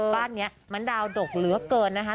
บ้านนี้มันดาวดกเหลือเกินนะคะ